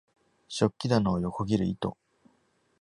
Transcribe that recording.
食器棚を横切る糸！